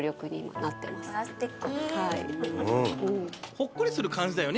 ほっこりする感じだよね？